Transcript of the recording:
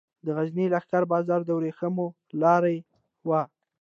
د غزني لښکر بازار د ورېښمو لارې و